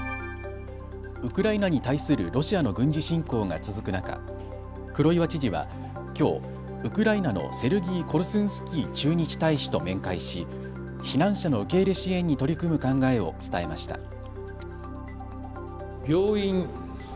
ウクライナに対するロシアの軍事侵攻が続く中、黒岩知事は、きょうウクライナのセルギー・コルスンスキー駐日大使と面会し、避難者の受け入れ支援に取り組む考えを伝えました。